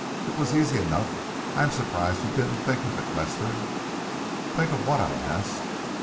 It was easy enough. I am surprised you didn't think of it, Lester." "Think of what?" I asked.